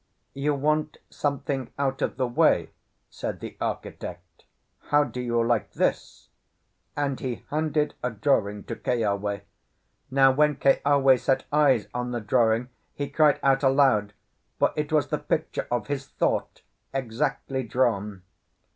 "You want something out of the way," said the architect. "How do you like this?" and he handed a drawing to Keawe. Now, when Keawe set eyes on the drawing, he cried out aloud, for it was the picture of his thought exactly drawn.